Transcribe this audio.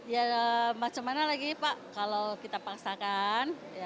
ya bagaimana lagi pak kalau kita paksakan